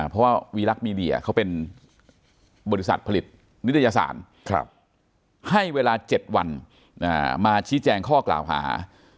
เพราะว่าวีรักษ์มีเดียเขาเป็นบริษัทผลิตนิตยสารให้เวลา๗วันมาชี้แจงข้อกล่าวหา